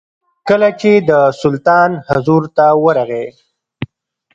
کله چې د سلطان حضور ته ورغی.